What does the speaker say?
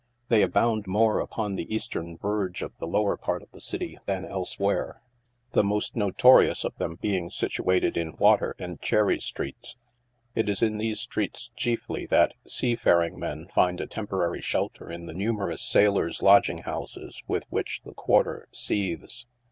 They abound more upon the Eastern verge of the lower THE DANCE HOUSES. 29 part of the city than elsewhere, the most notorious of them being situated in Water and Cherry streets. It is in these streets, chiefly' that seafaring men find a temporary shelter in the numerous sailors, lodging houses with which, the, quarter seethes.